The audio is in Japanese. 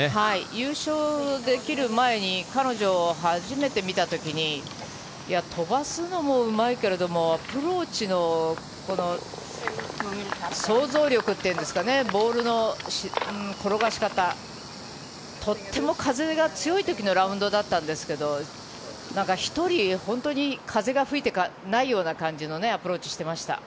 優勝できる前に彼女を初めて見る前に飛ばすのもうまいけれどもアプローチの想像力というかボールの転がし方とっても風が強い時のラウンドだったんですが１人、本当に風が吹いていないような感じのアプローチをしていました。